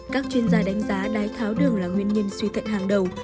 các chuyên gia đánh giá đái tháo đường là nguyên nhân suy thận hàng đầu